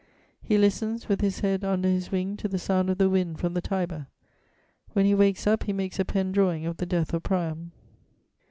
He listens, with his head under his wing, to the sound of the wind from the Tiber; when he wakes up, he makes a pen drawing of the Death of Priam.